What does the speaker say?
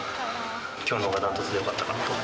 きょうのほうが断トツでよかったかな。